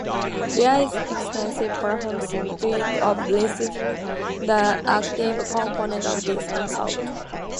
There is extensive pharmacology of lithium, the active component of this salt.